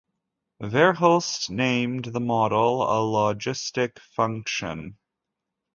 Verhulst named the model a logistic function.